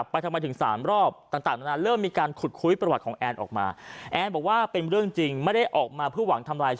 ไปคอมเมนต์ว่า